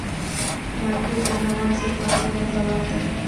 راکټ د هوا ضد وسلو ته ځواب دی